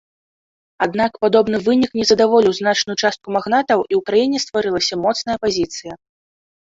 Аднак падобны вынік не задаволіў значную частку магнатаў і ў краіне стварылася моцная апазіцыя.